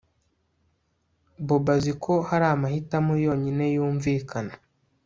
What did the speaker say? Bobo azi ko hari amahitamo yonyine yumvikana